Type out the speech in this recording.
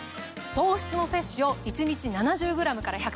糖質の摂取を１日７０ｇから１３０ｇに。